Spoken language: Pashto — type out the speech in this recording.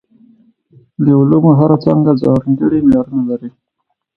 د علومو هره څانګه ځانګړي معیارونه لري.